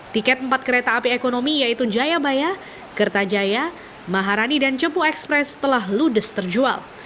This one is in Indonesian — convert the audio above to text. tiket empat kereta api ekonomi yaitu jayabaya kertajaya maharani dan cepu ekspres telah ludes terjual